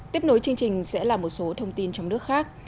tiếp nối chương trình sẽ là một số thông tin trong nước khác